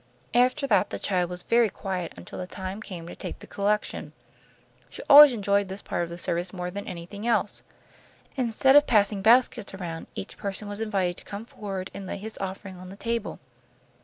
After that the child was very quiet until the time came to take the collection. She always enjoyed this part of the service more than anything else. Instead of passing baskets around, each person was invited to come forward and lay his offering on the table.